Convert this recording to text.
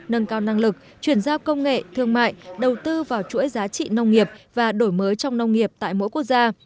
nâng cao năng lực chuyển giao công nghệ thương mại đầu tư vào chuỗi giá trị nông nghiệp và đổi mới trong nông nghiệp tại mỗi quốc gia